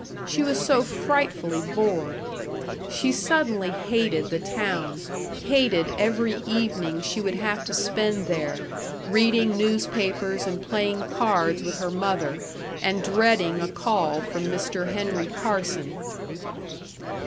She was so frightfully bored. She suddenly hated the town, hated every evening she would have to spend there, reading newspapers and playing cards with her mother, and dreading a call from Mr. Henry Carson.